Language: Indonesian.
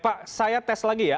pak saya tes lagi ya